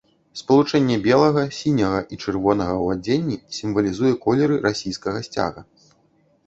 Спалучэнне белага, сіняга і чырвонага ў адзенні сімвалізуе колеры расійскага сцяга.